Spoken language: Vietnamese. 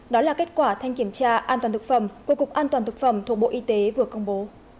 đó là kết quả thanh kiểm tra an toàn thực phẩm của cục an toàn thực phẩm thuộc bộ y tế vừa công bố